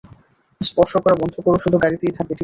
স্পর্শ করা বন্ধ কর শুধু গাড়িতেই থাকবে, ঠিক আছে?